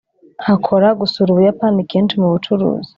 akora gusura ubuyapani kenshi mubucuruzi